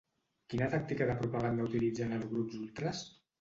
Quina tàctica de propaganda utilitzen els grups ultres?